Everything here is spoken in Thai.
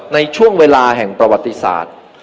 ในช่วงเวลาแห่งประวัติศาสตร์